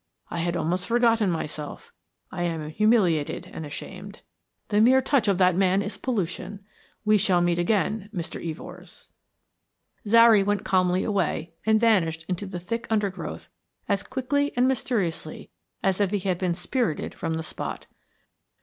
"I had almost forgotten myself. I am humiliated and ashamed. The mere touch of that man is pollution. We shall meet again, Mr. Evors." Zary went calmly away and vanished in the thick undergrowth as quickly and mysteriously as if he had been spirited from the spot.